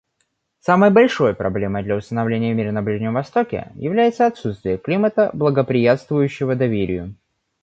Самой большой проблемой для установления мира на Ближнем Востоке является отсутствие климата, благоприятствующего доверию.